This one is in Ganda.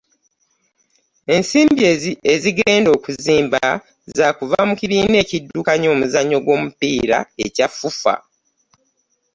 Ensimbi ezigenda okuzimba za kuva mu kibiina ekiddukanya omuzannyo gw'omupiira ekya FUFA